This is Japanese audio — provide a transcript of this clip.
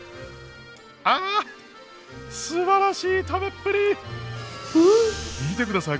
あすばらしい食べっぷり！んおいしい！